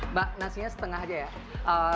mbak nasinya setengah aja ya